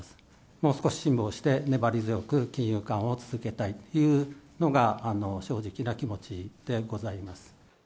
もう少し辛抱して、粘り強く金融緩和を続けたいというのが、正直な気持ちでございます。